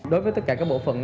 đối với tất cả các bộ phận